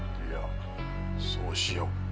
いやそうしよう。